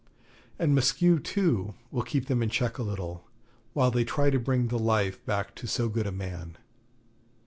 And Maskew, too, will keep them in check a little, while they try to bring the life back to so good a man.